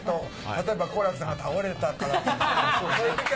例えば好楽さんが倒れたからとか。